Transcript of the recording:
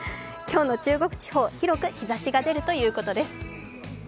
今日の中国地方広く日ざしが出るということです。